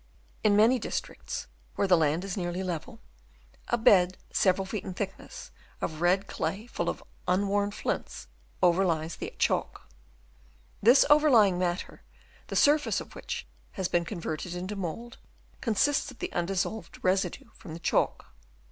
In many districts where the land is nearly level, a bed several feet in thickness of red clay full of unworn flints overlies the Upper Chalk. This overlying matter, the surface of which has been converted into mould, con sists of the undissolved residue from the chalk.